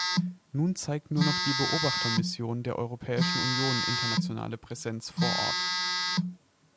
Nun zeigt nur noch die Beobachtermission der Europäischen Union internationale Präsenz vor Ort.